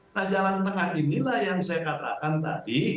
nah jalan tengah inilah yang saya katakan tadi